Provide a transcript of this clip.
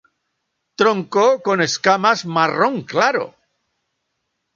Tronco con escamas marrón claro.